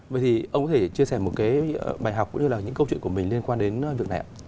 vậy thì ông có thể chia sẻ một cái bài học cũng như là những câu chuyện của mình liên quan đến việc này ạ